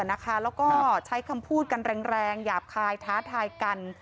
แล้วก็ใช้คำพูดกันแรงหยาบคายท้าทายกัน